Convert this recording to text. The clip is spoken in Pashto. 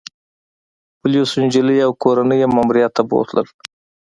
پولیسو انجلۍ او کورنۍ يې ماموریت ته بوتلل